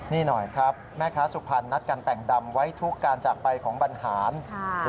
นี่หน่อยครับแม่ค้าถูกพันธุ์ณัดการแต่งดำไว้ทุกการจากไปของบัณหาลสิรพะอาชา